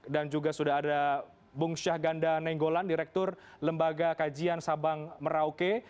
dan juga sudah ada bung syahganda nenggolan direktur lembaga kajian sabang merauke